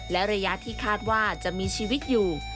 และระยะที่คาดว่าจะมีชีวิตอยู่